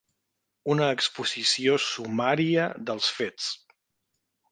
Una exposició sumària dels fets.